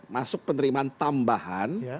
jadi ini adalah penerimaan tambahan